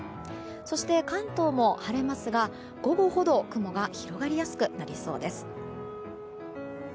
そして、関東も晴れますが午後ほど雲が広がりやすくなりそうです。